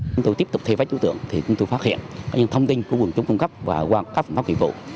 chúng tôi tiếp tục thay phát trú tượng thì chúng tôi phát hiện những thông tin của quân chúng cung cấp và qua các phòng pháp kỳ vụ